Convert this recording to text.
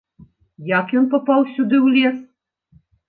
Як ён папаў сюды ў лес?